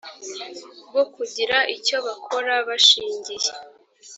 bwo kugira icyo bakora bashingiye